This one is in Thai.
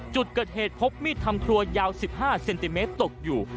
จุดเกิดเหตุพบมีดทำทัวร์ยาวสิบห้าเซนติเมตรตกอยู่